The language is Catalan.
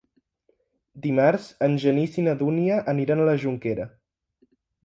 Dimarts en Genís i na Dúnia aniran a la Jonquera.